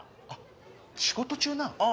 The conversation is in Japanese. あっ仕事中なん？